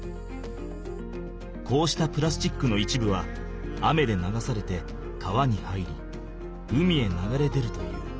こうしたプラスチックの一部は雨で流されて川に入り海へ流れ出るという。